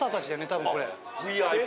多分これ。